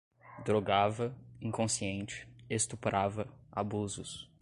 drogava, inconsciente, estuprava, abusos